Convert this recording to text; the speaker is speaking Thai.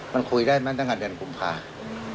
มันคุยได้แม้ตั้งกันเดือนกุมภาพอ่ะ